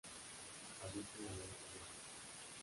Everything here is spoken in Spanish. Habita en el Oeste de África.